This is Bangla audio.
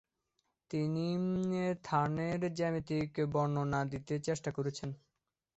তিনি থানের জ্যামিতিক বর্ণনা দিতে চেষ্টা করেছেন।